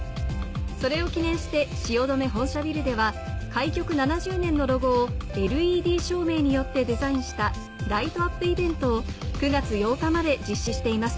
それを記念して汐留本社ビルでは開局７０年のロゴをＬＥＤ照明によってデザインしたライトアップイベントを９月８日まで実施しています